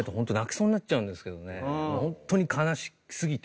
ホントに悲しすぎて。